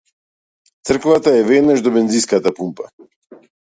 Црквата е веднаш до бензинската пумпа.